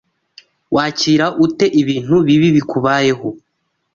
Wakira ute ibintu bibi bikubayeho?